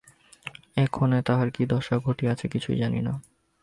এক্ষণে তাঁহার কি দশা ঘটিয়াছে কিছুই জানি না।